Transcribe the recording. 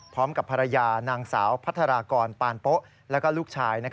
พร้อมกับภรรยานางสาวพัทรากรปานโป๊ะแล้วก็ลูกชาย